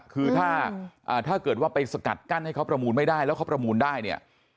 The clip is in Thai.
คือถ้าเกิดว่าไปสกัดกั้นให้เขาประมูลไม่ได้แล้วเขาประมูลได้เนี่ย